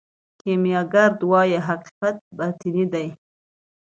کیمیاګر وايي حقیقت باطني دی.